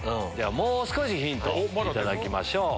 もう少しヒントを頂きましょう。